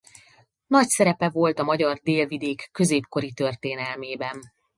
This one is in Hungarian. Nagy szerepe volt a magyar délvidék középkori történelmében.